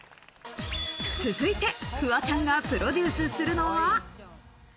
続いて、フワちゃんがプロデュースするのは？